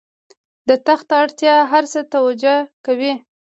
د تخت اړتیا هر څه توجیه کوي.